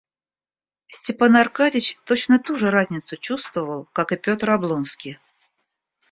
Степан Аркадьич точно ту же разницу чувствовал, как и Петр Облонский.